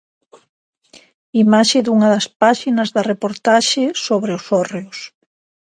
Imaxe dunha das páxinas da reportaxe sobre os hórreos.